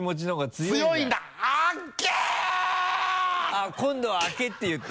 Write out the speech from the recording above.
あっ今度は「開け」って言った。